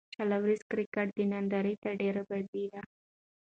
شل اووريز کرکټ د نندارې ډېره بازي ده.